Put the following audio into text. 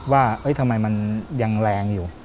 ว่าทำไมมันยังแรงอยู่